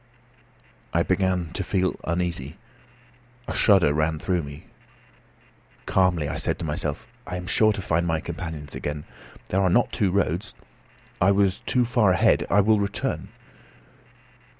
I began to feel uneasy. A shudder ran through me. "Calmly!" I said aloud to myself, "I am sure to find my companions again. There are not two roads. I was too far ahead. I will return!"